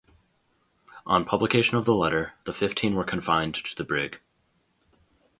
On publication of the letter, the fifteen were confined to the brig.